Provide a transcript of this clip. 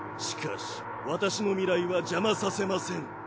しかし私の未来は邪魔させません。